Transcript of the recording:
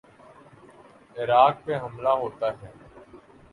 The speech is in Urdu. عراق پہ حملہ ہوتا ہے۔